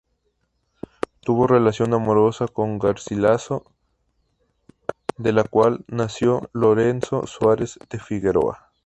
Tuvo relación amorosa con Garcilaso, de la cual nació Lorenzo Suárez de Figueroa.